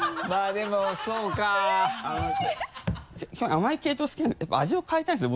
甘い系統好きなんですやっぱ味を変えたいんですね